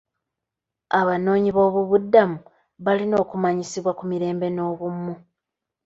Abanoonyiboobubudamu balina okumanyisibwa ku mirembe n'obumu.